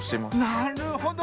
なるほど。